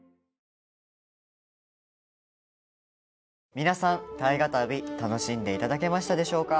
皆さん「大河たび」楽しんでいただけましたでしょうか。